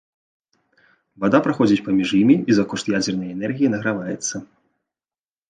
Вада праходзіць паміж імі і за кошт ядзернай энергіі награваецца.